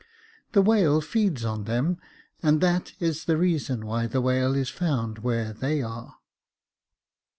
The whale feeds on them, and that is the reason why the whale is found where they are."